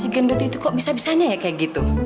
si gendut itu kok bisa bisanya ya kayak gitu